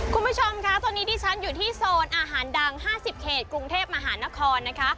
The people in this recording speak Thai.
คุณผู้ชมค่ะตอนนี้ดิฉันอยู่ที่โซนอาหารดัง๕๐เขตกรุงเทพมหานครนะคะ